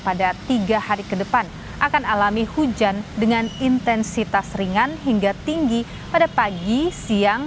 pada tiga hari ke depan akan alami hujan dengan intensitas ringan hingga tinggi pada pagi siang